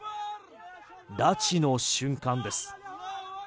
拉致の瞬間です。